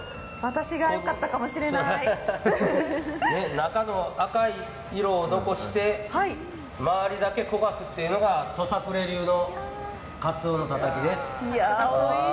中の赤い色を残して周りだけ焦がすというのが土佐久礼流のかつおのたたきです。